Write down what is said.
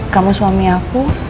kamu suami aku